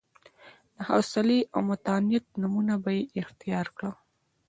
د حوصلې او متانت نمونه به یې اختیار کړه.